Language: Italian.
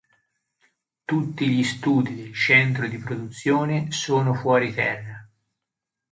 Tutti gli studi del centro di produzione sono fuori terra.